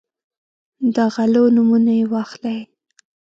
د غلو نومونه یې واخلئ.